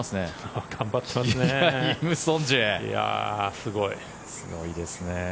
すごいですね。